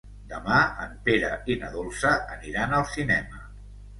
Demà en Pere i na Dolça aniran al cinema.